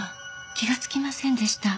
気がつきませんでした。